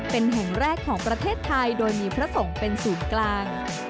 เป็นแห่งแรกของประเทศไทยโดยมีพระสงฆ์เป็นศูนย์กลาง